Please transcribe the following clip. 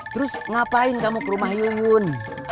terus ngapain kamu ke rumah yungun